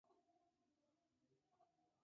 La tía de Judy y Peter y la guardiana legal.